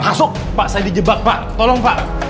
masuk pak saya dijebak pak tolong pak